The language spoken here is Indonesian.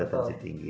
saya tensi tinggi